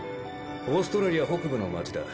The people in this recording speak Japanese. オーストラリア北部の街だ。